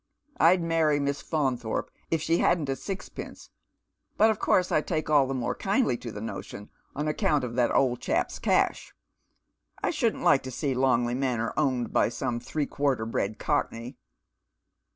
I'd marry Miss Faunthorpe if slie hadn't a sixpence, but of course I take all the more kindly to the notion on account of that old chap's cash. I shouldn't like to see Longley Manor owned by some three quarter bred cockney."